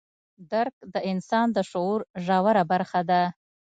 درک د انسان د شعور ژوره برخه ده.